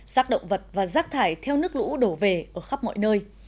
rác động vật và rác thải theo nước lũ đổ về ở khắp mọi nơi